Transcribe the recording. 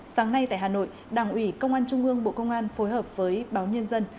sáng nay tại hà nội đảng ủy công an trung ương bộ công an phối hợp với báo nhân dân